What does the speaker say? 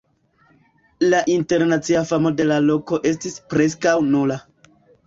La internacia famo de la loko estis preskaŭ nula.